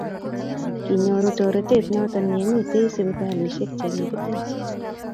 Kinyoru toretet noto yemitei sipitalishek che kikitech